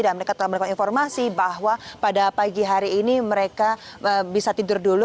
dan mereka telah mendapatkan informasi bahwa pada pagi hari ini mereka bisa tidur dulu